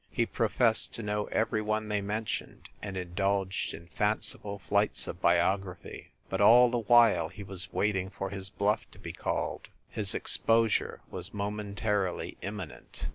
He professed to know every one they mentioned, and indulged in fanciful flights of biography. But, all the while, he was waiting for his bluff to be called. His exposure was momentar ily imminent.